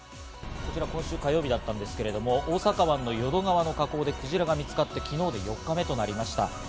こちら今週火曜日だったんですが、大阪はの淀川の河口でクジラが見つかって、昨日で４日目となりました。